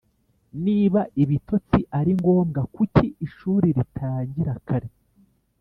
niba ibitotsi ari ngombwa, kuki ishuri ritangira kare?!